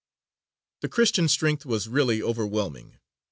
_)] The Christian strength was really overwhelming.